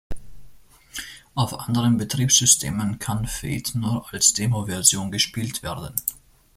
Auf anderen Betriebssystemen kann Fate nur als Demoversion gespielt werden.